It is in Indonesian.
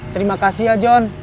terima kasih ya jon